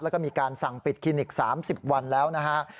แล้วก็มีการสั่งปิดคลินิก๓๐วันแล้วนะฮะ